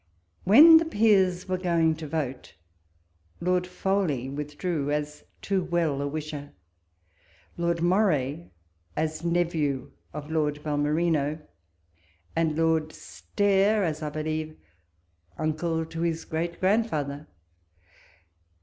When the Peers were going to vote, Lord 50 walpole's letters. Foley withdrew, as too well a wisher ; Lord Moray, as nephew of Lord Balmerino — and Lord Stair — as, I believe, uncle to his great grand father.